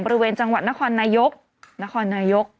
บริเวณจังหวัดนครนายกนครนายก